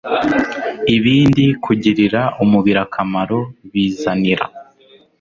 ibindi kugirira umubiri akamaro. Bizanira